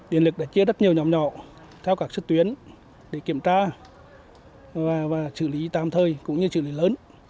điện lực đã chia rất nhiều nhóm nhỏ theo các sức tuyến để kiểm tra và xử lý tam thời cũng như xử lý lớn